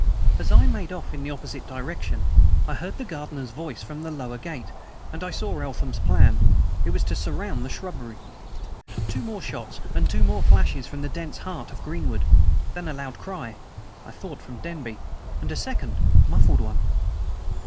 As I made off in an opposite direction I heard the gardener's voice from the lower gate, and I saw Eltham's plan. It was to surround the shrubbery. Two more shots and two flashes from the dense heart of greenwood. Then a loud cry I thought, from Denby and a second, muffled one.